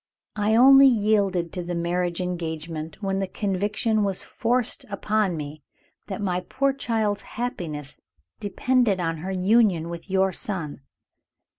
I only yielded to the marriage engagement, when the conviction was forced upon me that my poor child's happiness depended on her union with your son.